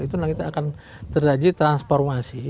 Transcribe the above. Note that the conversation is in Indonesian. itu nanti akan terjadi transformasi